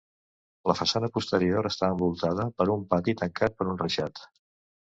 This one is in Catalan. La façana posterior està envoltada per un pati tancat per un reixat.